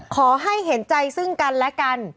ขอให้เห็นใจซึ่งกันและกัน